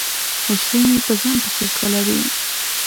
هوسۍ مې په ځان پسي ځغلوي